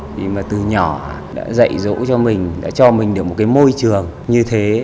thì mà từ nhỏ đã dạy dỗ cho mình đã cho mình được một cái môi trường như thế